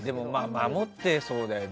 守ってそうだよね